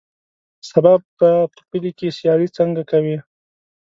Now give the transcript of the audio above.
سبا به په کلي کې سیالۍ څنګه کوې.